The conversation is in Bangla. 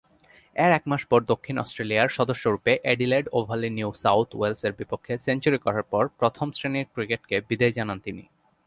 এর একমাস পর দক্ষিণ অস্ট্রেলিয়ার সদস্যরূপে অ্যাডিলেড ওভালে নিউ সাউথ ওয়েলসের বিপক্ষে সেঞ্চুরি করার পর প্রথম-শ্রেণীর ক্রিকেটকে বিদেয় জানান তিনি।